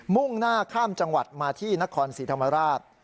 มุ่งหน้าข้ามจังหวัดมาที่นครศรีธรรมราช